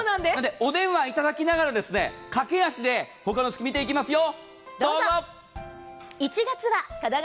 お電話いただきながら、駆け足で他の月、見ていきますよ。